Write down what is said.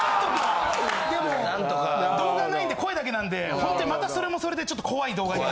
でも動画ないんで声だけなんでホントにまたそれもそれでちょっと怖い動画に。